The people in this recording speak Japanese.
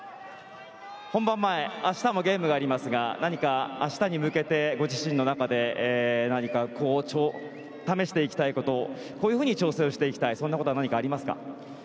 本番前明日もゲームがありますが何か、明日に向けてご自身の中で何か、試していきたいことこういうふうに調整をしていきたいということはありますか。